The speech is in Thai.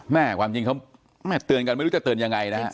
ความจริงเขาแม่เตือนกันไม่รู้จะเตือนยังไงนะฮะ